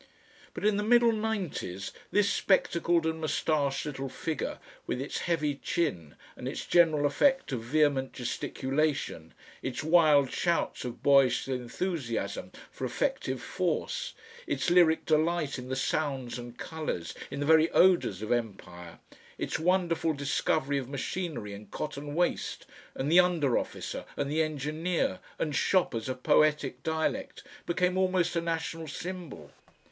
But in the middle nineties this spectacled and moustached little figure with its heavy chin and its general effect of vehement gesticulation, its wild shouts of boyish enthusiasm for effective force, its lyric delight in the sounds and colours, in the very odours of empire, its wonderful discovery of machinery and cotton waste and the under officer and the engineer, and "shop" as a poetic dialect, became almost a national symbol.